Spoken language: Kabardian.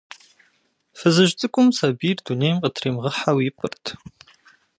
Фызыжь цӀыкӀум сабийр дунейм къытримыгъэхьэу ипӀырт.